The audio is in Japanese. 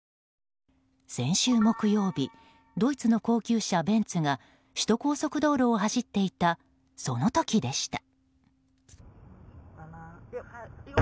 先週木曜日ドイツの高級車ベンツが首都高速道路を走っていたその時でした。